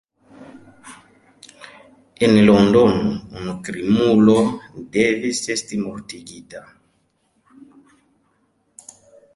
En Londono unu krimulo devis esti mortigita.